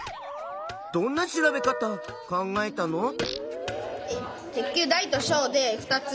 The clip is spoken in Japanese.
どんな調べ方考えたの？